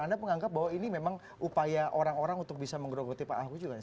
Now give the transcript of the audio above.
jadi saya anggap bahwa ini memang upaya orang orang untuk bisa menggerogoti pak ahok juga